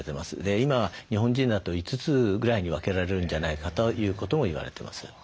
今日本人だと５つぐらいに分けられるんじゃないかということも言われてます。